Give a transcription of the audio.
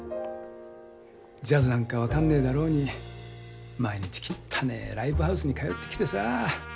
ジャズなんか分かんねえだろうに毎日きったねえライブハウスに通ってきてさあ。